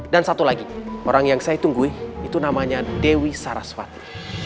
dan satu lagi orang yang saya tunggu itu namanya dewi saraswati